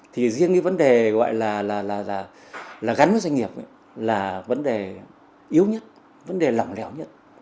thì riêng cái vấn đề gắn với doanh nghiệp là vấn đề yếu nhất vấn đề lỏng lẻo nhất